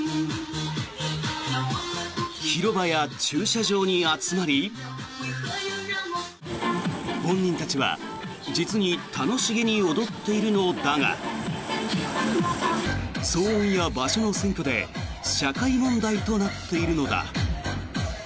広場や駐車場に集まり本人たちは実に楽しげに踊っているのだが騒音や場所の占拠で社会問題となっているのだ。